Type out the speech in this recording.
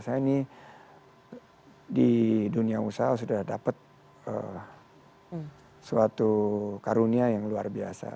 saya ini di dunia usaha sudah dapat suatu karunia yang luar biasa